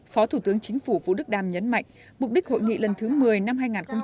phó thủ tướng chính phủ vũ đức đam nhấn mạnh mục đích hội nghị lần thứ một mươi năm hai nghìn hai mươi